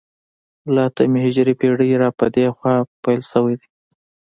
له اتمې هجرې پېړۍ را په دې خوا پیل شوی دی